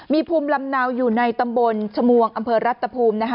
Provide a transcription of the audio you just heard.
มีภูมิลำเนาอยู่ในตำบลชมวงอำเภอรัตภูมินะคะ